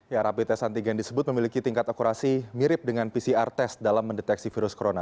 ya rapi tes antigen disebut memiliki tingkat akurasi mirip dengan pcr test dalam mendeteksi virus corona